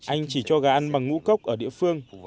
anh chỉ cho gà ăn bằng ngũ cốc ở địa phương